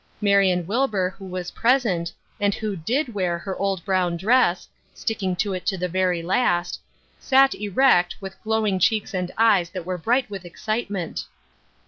Marion Wilbur, who was present, and who did wear her old brown dress, " sticking to it to the very last," sat erect, with glowing cheeks and eyes that were bright with excitement.